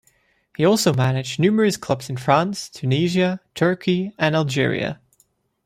He also managed numerous clubs in France, Tunisia, Turkey and Algeria.